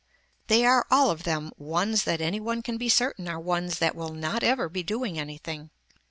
They are all of them ones that any one can be certain are ones that will not ever be doing anything.